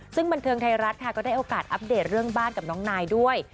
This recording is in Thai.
ซึ่งบันเทิงไทยรัฐค่ะก็ได้โอกาสอัปเดตเรื่องบ้านกับน้องนายด้วย